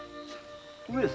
上様。